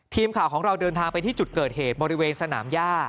ทีมข่าวของเราเดินทางไปที่จุดเกิดเหตุบริเวณสนามย่า